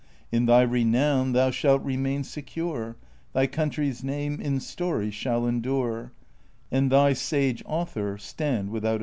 In thy renown thou shalt remain secure. Thy country's name in story shall endiu'e, And thy sage author stand without a peer.